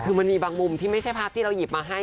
คือมันมีบางมุมที่ไม่ใช่ภาพที่เราหยิบมาให้